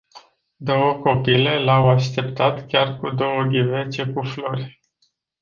Două copile l-au așteptat chiar cu două ghivece cu flori.